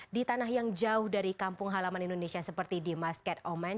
di tanah yang jauh dari kampung halaman indonesia seperti di basket oman